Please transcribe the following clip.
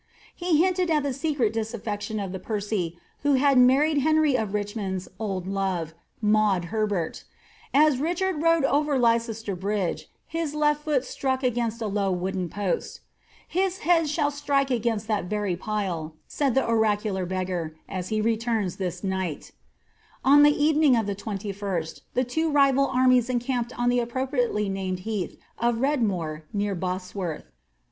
'' He hinted at the secret dis affection of the Percy' who had married Henry of Richmond's old love, Maud Herbert As Richard rode over Leicester Bridge, his le(\ foot struck against a low wooden post :^ His head shall strike against that very pile," said the oracnlar beggar, ^ as he returns this night" ^ On the evening of the 2l8t, the two rival armies encamped on the ap propriately named heath of Redmore, near Bosworth.